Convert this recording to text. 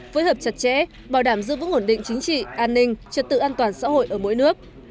phối hợp chặt chẽ bảo đảm giữ vững ổn định chính trị an ninh trật tự an toàn xã hội ở mỗi nước